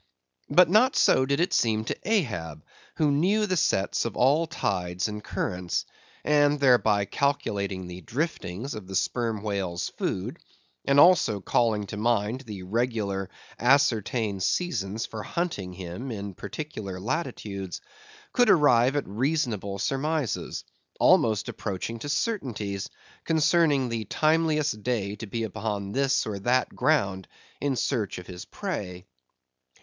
But not so did it seem to Ahab, who knew the sets of all tides and currents; and thereby calculating the driftings of the sperm whale's food; and, also, calling to mind the regular, ascertained seasons for hunting him in particular latitudes; could arrive at reasonable surmises, almost approaching to certainties, concerning the timeliest day to be upon this or that ground in search of his prey.